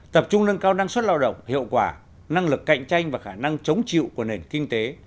tập trung nâng cao năng suất lao động hiệu quả năng lực cạnh tranh và khả năng chống chịu của nền kinh tế